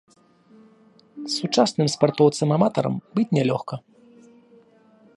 Сучасным спартоўцам-аматарам быць нялёгка.